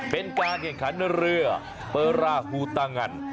เป็นการแข่งขันเรือเบอร์ราฮูตางัน